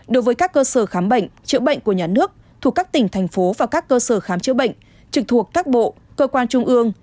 đối với các cơ sở khám bệnh chữa bệnh của nhà nước thuộc các tỉnh thành phố và các cơ sở khám chữa bệnh trực thuộc các bộ cơ quan trung ương